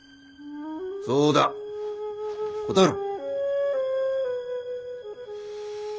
そうだ答えろ！